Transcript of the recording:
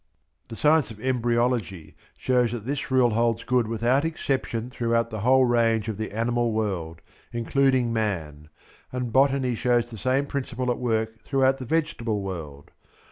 The science of embryology shows that this rule holds good without exception throughout the whole range of the animal world, including man; and botany shows the same principle at work throughout the vegetable world.